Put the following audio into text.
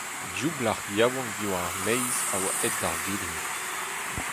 Div blac'h yaouank diwar ar maez a oa aet d'ar vilin.